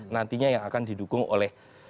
nantinya yang akan didukung oleh